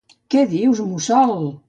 Què dius mussol!